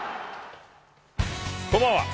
こんばんは。